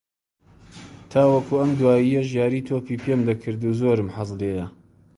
تاوەکو ئەم دواییەش یاری تۆپی پێم دەکرد و زۆرم حەز لێییە